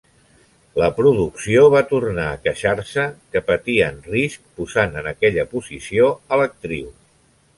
La producció va tornar a queixar-se que patien risc posant en aquella posició a l'actriu.